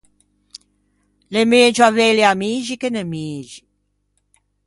L’é megio aveili amixi che nemixi.